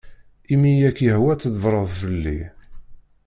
Imi i ak-yehwa tḍbbreḍ fell-i.